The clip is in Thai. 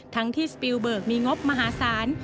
ทั้งที่สปิลเบิกมีงบมหาศาล